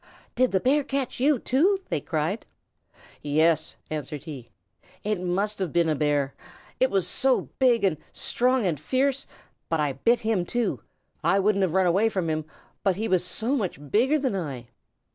"Did the Bear catch you, too?" they cried. "Yes," answered he. "It must have been a Bear. It was so big and strong and fierce. But I bit him, too. I wouldn't have run away from him, only he was so much bigger than I."